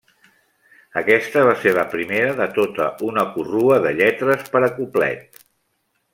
Aquesta va ser la primera de tota una corrua de lletres per a cuplet.